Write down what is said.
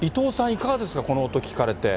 いかがですか、この音聞かれて。